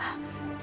amin gak mau nanti